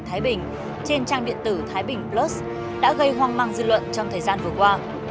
thái bình trên trang điện tử thái bình plus đã gây hoang mang dư luận trong thời gian vừa qua